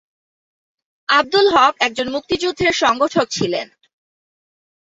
আব্দুল হক একজন মুক্তিযুদ্ধের সংগঠক ছিলেন।